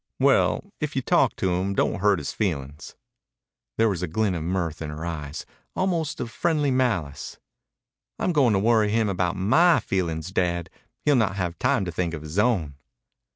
"Well, if you talk to him don't hurt his feelin's." There was a glint of mirth in her eyes, almost of friendly malice. "I'm going to worry him about my feelings, Dad. He'll not have time to think of his own."